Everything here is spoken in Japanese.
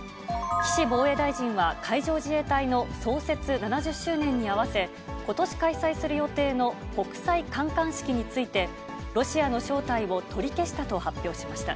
岸防衛大臣は、海上自衛隊の創設７０周年に合わせ、ことし開催する予定の国際観艦式について、ロシアの招待を取り消したと発表しました。